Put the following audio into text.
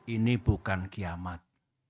ini bukan kiamat